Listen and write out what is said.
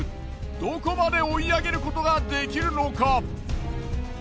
どこまで追い上げることができるのか？